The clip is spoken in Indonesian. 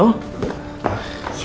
terima kasih pak